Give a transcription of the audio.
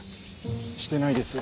してないです。